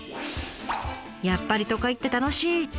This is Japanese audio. やっぱり都会って楽しい！と